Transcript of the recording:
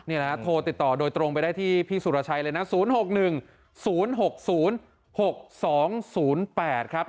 นี่นะฮะโทรติดต่อโดยตรงไปได้ที่พี่สุรชัยเลยนะ๐๖๑๐๖๐๖๒๐๘ครับ